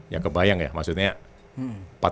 ya kebayang ya maksudnya